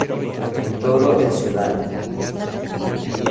En todo el Sudán.